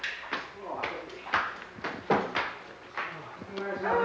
お願いします。